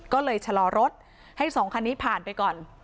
ก็เลยชะลอรถให้๒คันนี้ผ่านไปก่อน